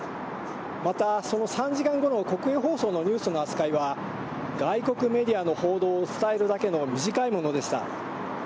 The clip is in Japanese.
また、その３時間後の国営放送のニュースの扱いは、外国メディアの報道を伝えるだけの短いものでした。